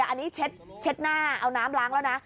แต่อันนี้เช็ดหน้าเอาน้ำล้างแล้วนะ